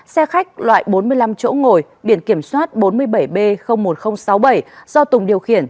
xe khách loại bốn mươi năm chỗ ngồi biển kiểm soát bốn mươi bảy b một nghìn sáu mươi bảy do tùng điều khiển